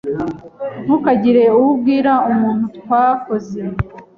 Ntukagire uwo ubwira umuntu twakoze ibi.